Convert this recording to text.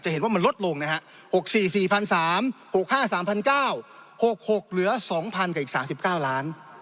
เห็นว่ามันลดลงนะฮะ๖๔๔๓๖๕๓๙๐๐๖๖เหลือ๒๐๐กับอีก๓๙ล้าน